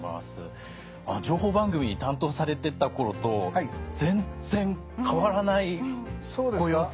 情報番組担当されてた頃と全然変わらないご様子。